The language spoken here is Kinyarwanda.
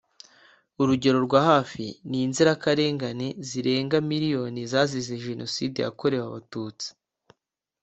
urugero rwa hafi ni inzirakarengane zirenga miliyoni zazize Jenoside yakorewe Abatutsi